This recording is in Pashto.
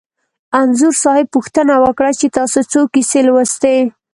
انځور صاحب پوښتنه وکړه چې تاسې څو کیسې لوستي.